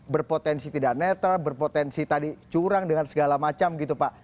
berpotensi tidak netral berpotensi tadi curang dengan segala macam gitu pak